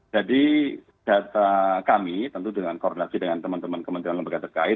jadi data kami tentu dengan koordinasi dengan teman teman kementerian lembaga terkait